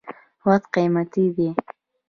• وخت قیمتي دی.